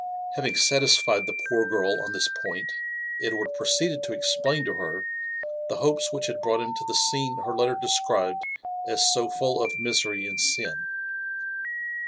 Having satis* fied the poor girl on this point, Edward proceeded to explain to heir the hopes which had brought him to the scene her letter described as so full of misery ai^ sin.